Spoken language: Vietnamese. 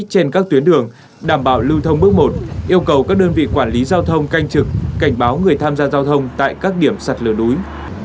trên các tuyến đường đảm bảo lưu thông bước một yêu cầu các đơn vị quản lý giao thông canh trực cảnh báo người tham gia giao thông tại các điểm sạt lửa đuối